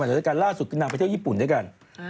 ล่าสุดคือนางเขาไปเที่ยวญี่ปุ่นด้วยกัน